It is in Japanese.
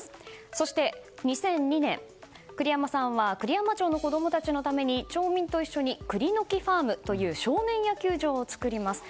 そして２００２年、栗山さんは栗山町の子供たちのために町民と一緒に栗の樹ファームという少年野球場を作ります。